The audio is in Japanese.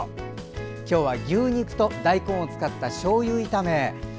今日は牛肉と大根を使ったしょうゆ炒め。